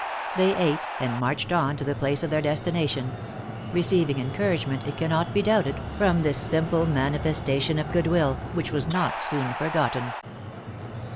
They ate, and marched on to the place of their destination; receiving encouragement, it cannot be doubted, from this simple manifestation of good will, which was not soon forgotten.